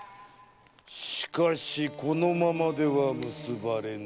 しかしこのままでは結ばれぬぞ。